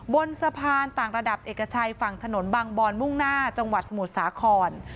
บนสะพานต่างระดับเอกชัยฝั่งถนนบางบอนมุ่งหน้าจังหวัดสมุทรสาคร